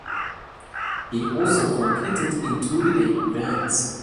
He also competed in two relay events.